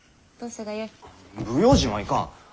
不用心はいかん。